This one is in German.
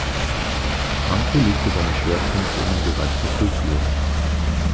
Hanke legte seine Schwerpunkte in den Bereich der Kultur.